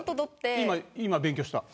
今勉強した。